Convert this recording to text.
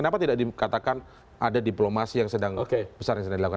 kenapa tidak dikatakan ada diplomasi yang sedang besar yang sedang dilakukan